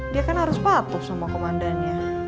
dia kan harus patuh sama komandannya